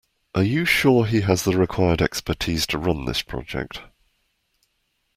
Are you sure he has the required expertise to run this project?